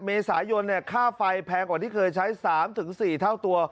เมษายนค่าไฟแพงกว่าที่เคยใช้๓๔เท่าตัว